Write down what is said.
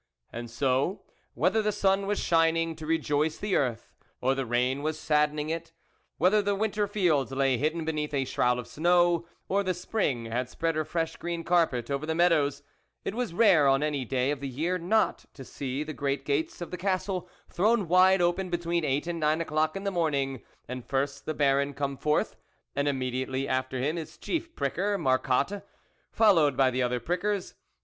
And so, whether the sun was shining to rejoice the earth, or the rain was sadden ing it, whether the winter fields lay hidden beneath a shroud of snow, or the spring had spread her fresh green carpet over the meadows, it was rare, on any day of the year, not to see the great gates of the Castle thrown wide open between eight and nine o'clock in the morning, and first the Baron come forth, and immediately after him his chief pricker, Marcotte, fol lowed by the other prickers.